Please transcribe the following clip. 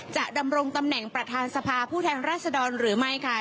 ดำรงตำแหน่งประธานสภาผู้แทนรัศดรหรือไม่ค่ะ